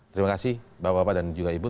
terima kasih bapak bapak dan juga ibu